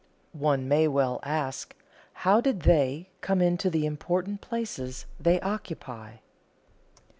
One may well ask, How did they come into the important places they occupy?